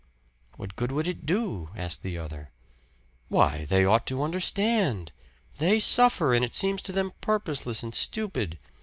"What good would it do?" asked the other. "Why, they ought to understand. They suffer, and it seems to them purposeless and stupid.